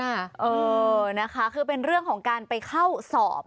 เออนะคะคือเป็นเรื่องของการไปเข้าสอบ